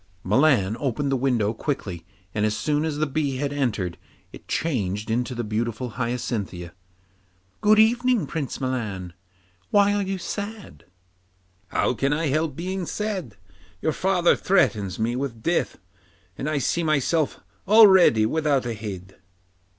Milan opened the window quickly, and as soon as the bee had entered, it changed into the beautiful Hyacinthia. 'Good evening, Prince Milan. Why are you so sad?' 'How can I help being sad? Your father threatens me with death, and I see myself already without a head.